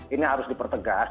ini harus dipertegas